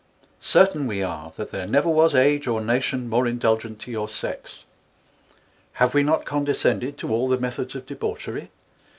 Certain we are, that there never was Age or Nation more Indulgent to your Sex; have we not ┬Ā┬Ā┬Ā┬Ā┬Ā┬Ā 1 10 condiscended to all the Methods of Debauchery?